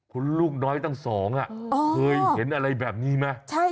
คุณลูกน้อยตั้งสองเคยเห็นอะไรแบบนี้ไหม